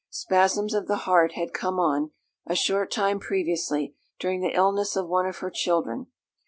Spasms of the heart had come on, a short time previously, during the illness of one of her children.